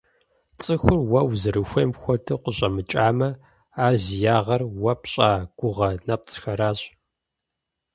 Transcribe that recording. Цӏыхур уэ узэрыхуейм хуэдэу къыщӏэмыкӏамэ, ар зи ягъэр уэ пщӏа гугъэ нэпцӏхэращ.